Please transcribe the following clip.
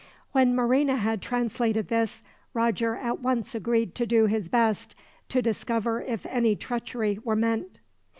When Marina had translated this, Roger at once agreed to do his best to discover if any treachery were meant.